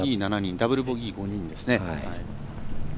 ダブルボギー、５人ですね。